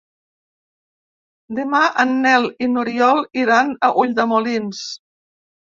Demà en Nel i n'Oriol iran a Ulldemolins.